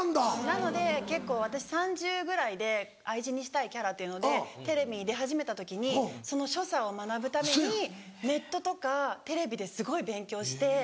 なので結構私３０ぐらいで愛人にしたいキャラというのでテレビに出始めた時にその所作を学ぶためにネットとかテレビですごい勉強して。